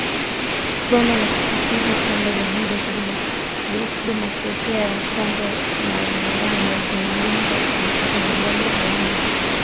Rwanda inasisitizwa kwamba “Jamuhuri ya Kidemokrasia ya Kongo na Rwanda zina mbinu za kuthibitisha madai ya aina yoyote chini ya Ushirika wa Nchi za Maziwa Makuu